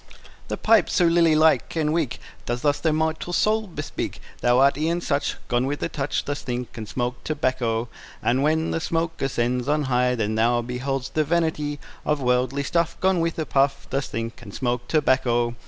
The pipe so lily like and weak, Does thus thy mortal state bespeak; Thou art e'en such, Gone with a touch: Thus think, and smoke tobacco. And when the smoke ascends on high, Then thou behold'st the vanity Of worldly stuff, Gone with a puff: Thus think, and smoke tobacco.